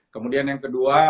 kemudian yang kedua